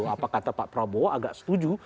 apa kata pak prabowo agak setuju